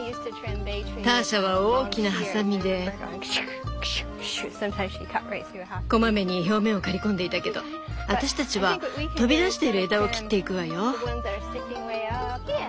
ターシャは大きなハサミで小まめに表面を刈り込んでいたけど私たちは飛び出している枝を切っていくわよ。